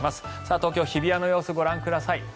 東京・日比谷の様子ご覧ください。